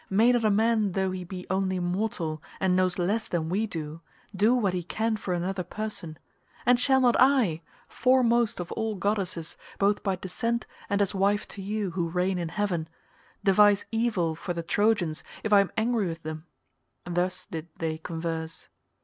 May not a man though he be only mortal and knows less than we do, do what he can for another person? And shall not I—foremost of all goddesses both by descent and as wife to you who reign in heaven—devise evil for the Trojans if I am angry with them?" Thus did they converse.